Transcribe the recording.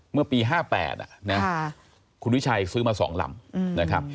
เมื่อปี๕๘คุณวิชัยซื้อมา๒ลำ